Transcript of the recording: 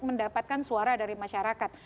mendapatkan suara dari masyarakat